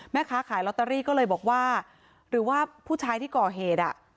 แม่ค้าขายลอตเตอรี่ก็เลยบอกว่าหรือว่าผู้ชายที่ก่อเหตุอ่ะ